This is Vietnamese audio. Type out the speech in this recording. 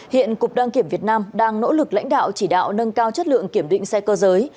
hiện cục đăng kiểm việt nam đang nỗ lực lãnh đạo chỉ đạo nâng cao chất lượng kiểm định xe cơ giới